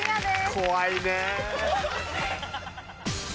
怖いね。